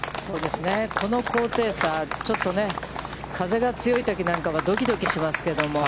この高低差、ちょっと風が強いときなんかはどきどきしますけれども。